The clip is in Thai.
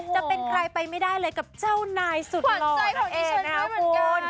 จะเป็นใครไปไม่ได้เลยกับเจ้านายสุดหล่อแอนะครับคุณ